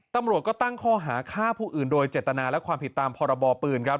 ตำรวจก็ตั้งข้อหาฆ่าผู้อื่นโดยเจตนาและความผิดตามพรบปืนครับ